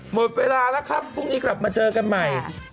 หมดเวลาแล้วครับพรุ่งนี้กลับมาเจอกันใหม่